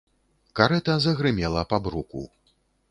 Карэта загрымела па бруку.